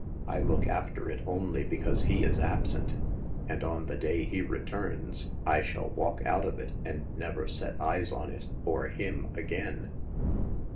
I look after it only because he is absent ; and on the day he returns I shall walk out of it, and never set eyes on it, or him again."